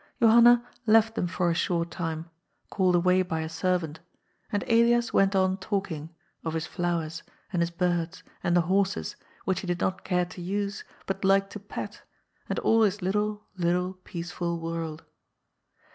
Johanna left them for a short time, called away by a servant, and Elias went on talking, of his flowers, and his birds and the horses, which he did not care to use, but liked to pat, and all his little, little peaceful world.